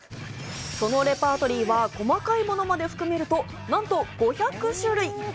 そのレパートリーは細かいものまで含めるとなんと５００種類。